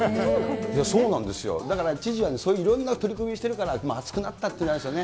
そうなんですよ、だから、知事はそういういろんな取り組みをしているから、熱くなったんじゃないですかね。